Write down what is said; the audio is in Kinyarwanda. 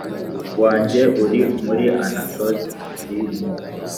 wanjye uri muri Anatoti d mu